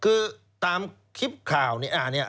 คือตามคลิปข่าวเนี่ย